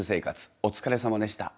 お疲れさまでした。